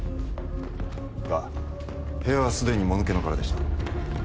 が部屋は既にもぬけの殻でした。